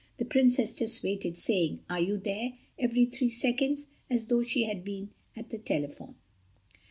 The Princess just waited, saying, "Are you there?" every three seconds, as though she had been at the telephone.